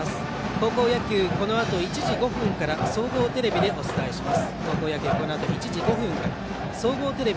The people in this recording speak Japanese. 高校野球、このあと１時５分から総合テレビでお伝えします。